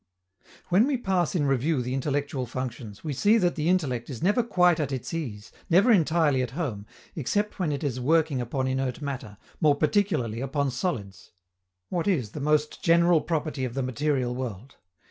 _ When we pass in review the intellectual functions, we see that the intellect is never quite at its ease, never entirely at home, except when it is working upon inert matter, more particularly upon solids. What is the most general property of the material world?